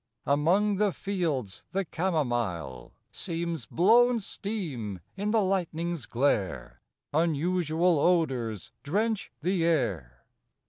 Among the fields the camomile Seems blown steam in the lightning's glare. Unusual odors drench the air.